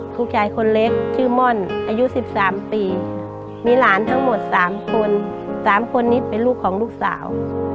ลูกชายคนเล็กชื่อม่อนอายุ๑๓ปีมีหลานทั้งหมด๓คน๓คนนี้เป็นลูกของลูกสาว